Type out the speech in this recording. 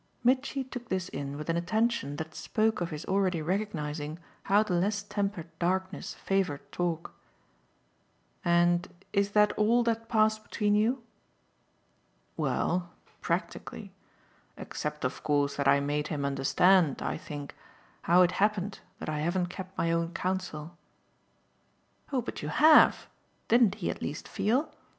Mitchy took this in with an attention that spoke of his already recognising how the less tempered darkness favoured talk. "And is that all that passed between you?" "Well, practically; except of course that I made him understand, I think, how it happened that I haven't kept my own counsel." "Oh but you HAVE didn't he at least feel?